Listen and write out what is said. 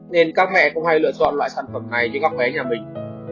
nên các mẹ cũng hay lựa chọn loại sản phẩm này cho các bé nhà mình